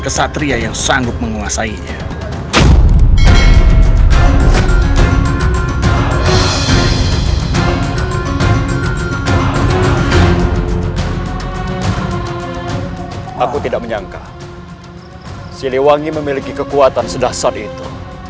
kesatria yang sanggup menguasainya aku tidak menyangka siliwangi memiliki kekuatan sudah saat itu